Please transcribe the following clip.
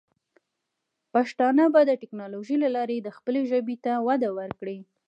پښتانه به د ټیکنالوجۍ له لارې د خپلې ژبې ته وده ورکړي.